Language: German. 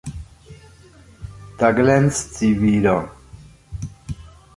Da glänzt Sie wieder.